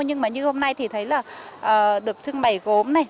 nhưng mà như hôm nay thì thấy là được trưng bày gốm này